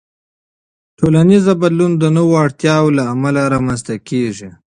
ټولنیز بدلون د نوو اړتیاوو له امله رامنځته کېږي.